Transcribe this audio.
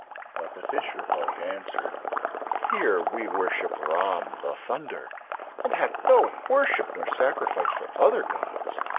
But the fisher folk answered: "Here we worship Rahm, the Thunder, and have no worship nor sacrifice for other gods."